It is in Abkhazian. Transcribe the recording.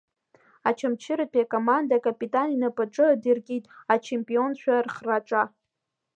Очамчыратәи акоманда акапитан инапаҿы идыркит ачемпионцәа рхраҿа.